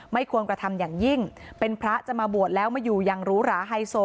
ไม่ควรกระทำอย่างยิ่งเป็นพระจะมาบวชแล้วมาอยู่อย่างหรูหราไฮโซ